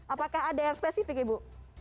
apakah ada yang spesifik ibu